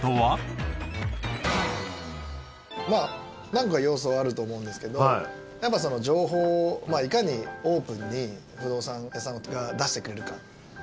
何個か要素はあると思うんですけど情報をいかにオープンに不動産屋さんが出してくれるか。